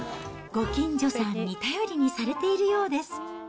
ご近所さんに頼りにされているようです。